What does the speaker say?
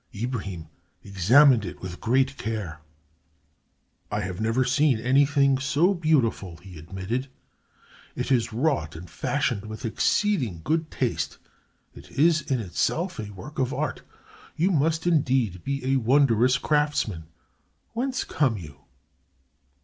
Ibrahim examined it with great care. "I have never seen anything so beautiful," he admitted. "It is wrought and fashioned with exceeding good taste. It is in itself a work of art. You must indeed be a wondrous craftsman. Whence come you?"